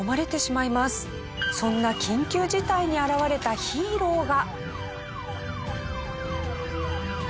そんな緊急事態に現れたヒーローが。